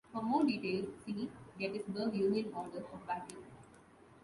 For more details, see Gettysburg Union order of battle.